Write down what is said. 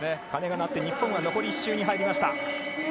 鐘が鳴って日本は残り１周に入りました。